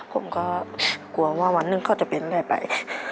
ผมก็กลัวว่าวันหนึ่งเขาจะเป็นได้ไป